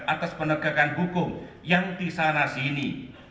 atas penegakan hukum yang disana sini